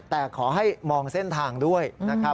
แต่ขอให้มองเส้นทางด้วยนะครับ